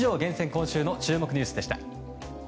今週の注目ニュースでした。